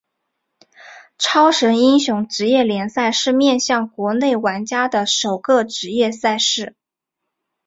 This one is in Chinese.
超神英雄职业联赛是面向国内玩家的首个职业赛事。